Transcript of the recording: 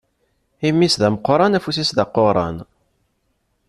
Imi-s d ameqqran, afus-is d aquran.